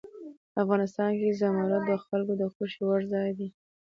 افغانستان کې زمرد د خلکو د خوښې وړ ځای دی.